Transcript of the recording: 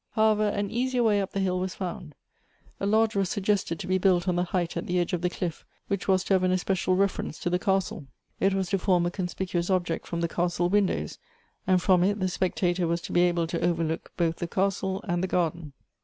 However, an easier way up the hill was found ; a lodge was suggested to be built on the height at the edge of the cliff, which was to have an especial reference to the castle. It was to form a conspicuous object from the castle windows, and from it the spectator was to be able to overlook both the castle and the garden.